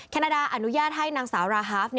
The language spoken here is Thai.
นาดาอนุญาตให้นางสาวราฮาฟ